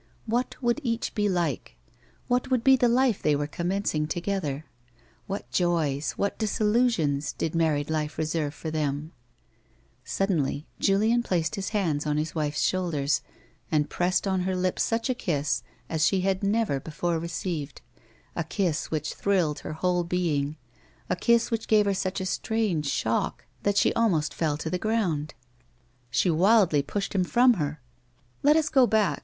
What would each be like ? What would be the life they were commencing to gether"? What joys, what disillusions did married life re serve for them 1 Suddenly Julien placed his hands on his wife's shoulders, and pi essed on her lips such a kiss as she had never before received, a kiss which thrilled her whole 54 A WOMAN'S LIFE. being, a kiss which gave her such a strange shock that she almost fell to the grouud. She wiklly pushed him from her ;'' Let us go back.